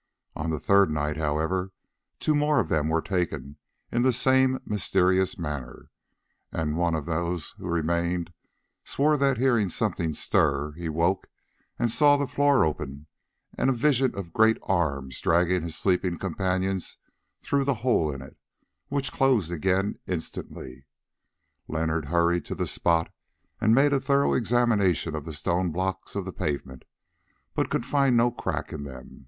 On the third night, however, two more of them were taken in the same mysterious manner, and one of those who remained swore that, hearing something stir, he woke and saw the floor open and a vision of great arms dragging his sleeping companions through the hole in it, which closed again instantly. Leonard hurried to the spot and made a thorough examination of the stone blocks of the pavement, but could find no crack in them.